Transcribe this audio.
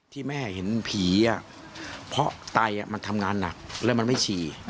ที่แม่เห็นผีเพราะไตมันทำงานหนักแล้วมันไม่ฉี่